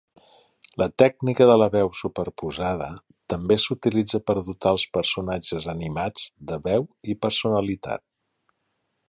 La tècnica de la veu superposada també s'utilitza per dotar els personatges animats de veu i personalitat.